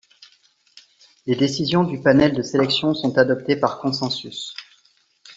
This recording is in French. Les décisions du panel de Sélection sont adoptées par consensus.